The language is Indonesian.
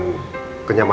kenyamanan dan nyaman